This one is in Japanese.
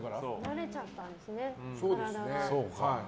慣れちゃったんですね、体が。